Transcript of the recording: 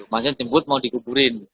maksudnya jemput mau dikuburin